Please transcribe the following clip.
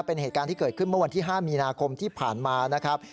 เป็นเหตุการณ์ที่เกิดขึ้นเมื่อวันที่๕มีนาคมที่ผ่านมานะครับ